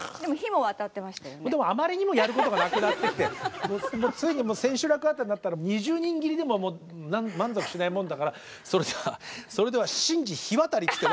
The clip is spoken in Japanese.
あまりにもやることがなくなってきてついに千秋楽あたりになったら二十人斬りでも満足しないもんだからそれでは神事火渡りって。